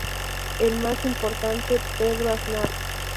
El más importante pedro aznar